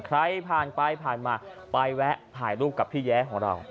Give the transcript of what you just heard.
ใครผ่านไปผ่านมาไปแวะถ่ายรูปกับพี่แย้ของเรา